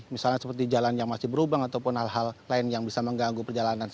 misalnya seperti jalan yang masih berubang ataupun hal hal lain yang bisa mengganggu perjalanan